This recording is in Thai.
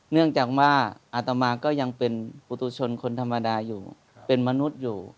เนื่องจากว่าอาตมาก็ยังเป็นปุตุชนคนธรรมดาอยู่เป็นมนุษย์อยู่